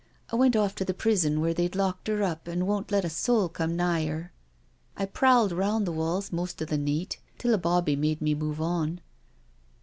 " I went off to the prison where they've locked 'er up and won* let a soul cum nigh 'er. I prowled aroun' the walls most o' the neet, till a bobby made me move on.